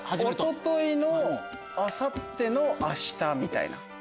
おとといのあさってのあしたみたいな。